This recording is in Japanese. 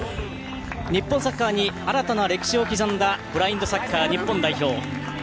日本サッカーに新たな歴史を刻んだブラインドサッカー日本代表。